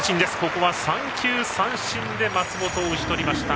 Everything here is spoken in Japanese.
ここは三球三振で松本を打ち取りました。